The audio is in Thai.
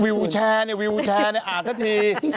วิวแชร์นะคุยกับเขาเจ็บ